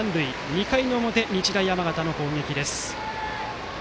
２回の表、日大山形の攻撃です。